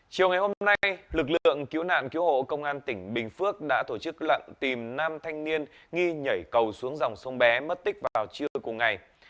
chiều ngày hôm nay lực lượng cứu nạn cứu hộ công an tỉnh bình phước đã tổ chức lận tìm năm thanh niên nghi nhảy cầu xuống dòng đường